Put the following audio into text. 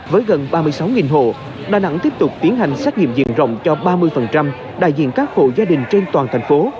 với gần ba mươi sáu hộ đà nẵng tiếp tục tiến hành xét nghiệm diện rộng cho ba mươi đại diện các hộ gia đình trên toàn thành phố